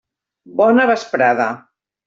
Bona vesprada.